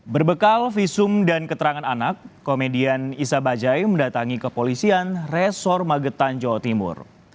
berbekal visum dan keterangan anak komedian isa bajai mendatangi kepolisian resor magetan jawa timur